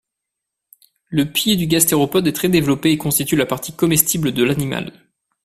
Le pied du gastéropode est très développé et constitue la partie comestible de l'animal.